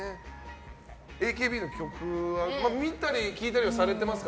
ＡＫＢの曲は見たり聴いたりはされてますか？